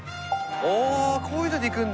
あこういうので行くんだ。